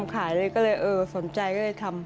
ขายเลยก็เลยเออสนใจก็เลยทำ